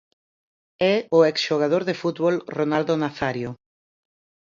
É o exxogador de fútbol Ronaldo Nazário.